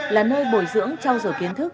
là nơi bồi dưỡng trao dổi kiến thức